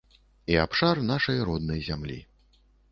І абшар нашай роднай зямлі.